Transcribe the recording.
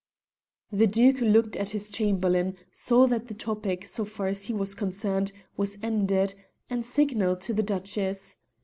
The Duke looked at his Chamberlain, saw that the topic, so far as he was concerned, was ended, and signalled to the Duchess.